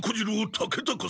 竹高様。